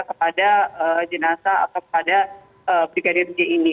kepada jenazah atau kepada brigadir j ini